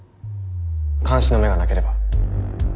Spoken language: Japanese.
監視の目がなければ。